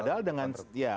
padahal dengan ya